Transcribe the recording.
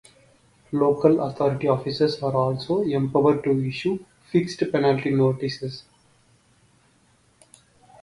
Local authority officers are also empowered to issue fixed penalty notices.